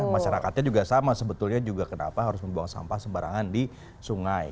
masyarakatnya juga sama sebetulnya juga kenapa harus membuang sampah sembarangan di sungai